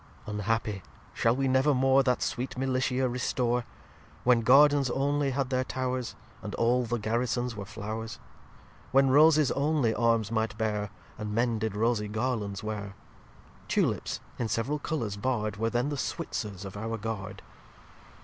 xlii Unhappy! shall we never more That sweet Militia restore, When Gardens only had their Towrs, And all the Garrisons were Flowrs, When Roses only Arms might bear, And Men did rosie Garlands wear? Tulips, in several Colours barr'd, Were then the Switzers of our Guard.